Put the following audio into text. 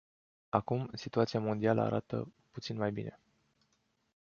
Acum, situația mondială arată puțin mai bine.